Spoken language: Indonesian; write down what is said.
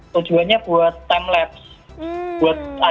tujuan saya memotoselfie sejak dua tahun